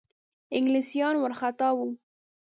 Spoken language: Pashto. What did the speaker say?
انګلیسیان وارخطا وه.